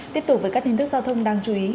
tiếp tục với các tin tức giao thông đáng chú ý